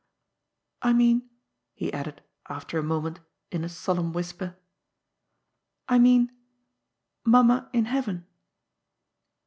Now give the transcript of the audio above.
I mean," he added, after a moment, in a solemn whisper —" I mean mamma in heaven."